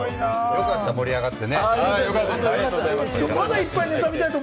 よかった、盛り上がって。